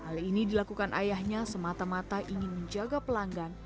hal ini dilakukan ayahnya semata mata ingin menjaga pelanggan